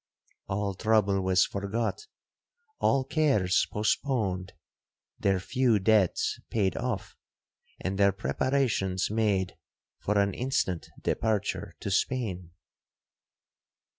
All trouble was forgot,—all cares postponed,—their few debts paid off,—and their preparations made for an instant departure to Spain.